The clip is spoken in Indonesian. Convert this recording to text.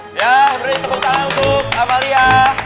saya beri tepuk tangan untuk amalia